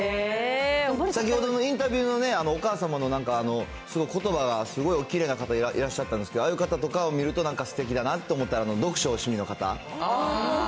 先ほどのインタビューのお母さんもなんかすごくことばが、すごいおきれいな方がいらっしゃったんですけど、ああいう方とかを見ると、なんかすてきだなと思って、読書趣味の方。